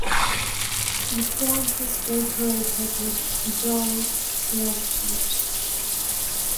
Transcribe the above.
The front is decorated with Doric pilasters.